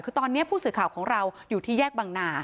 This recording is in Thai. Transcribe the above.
คือตอนนี้ผู้สื่อข่าวของเราอยู่ที่แยกบังนา